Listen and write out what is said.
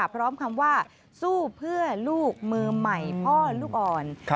คำว่าสู้เพื่อลูกมือใหม่พ่อลูกอ่อน